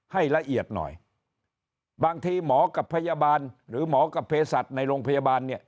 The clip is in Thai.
ให้ละเอียดหน่อยบางทีหมอกับพยาบาลหรือหมอกับเพศัตริย์ในโรงพยาบาลเนี่ย